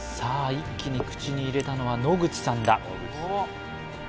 一気に口に入れたのは野口さんだ